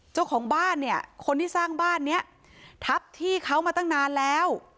เจ้าของบ้านเนี่ยคนที่สร้างบ้านเนี้ยทับที่เขามาตั้งนานแล้ว